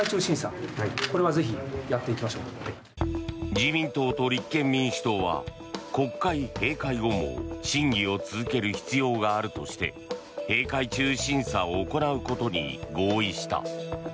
自民党と立憲民主党は国会閉会後も審議を続ける必要があるとして閉会中審査を行うことに合意した。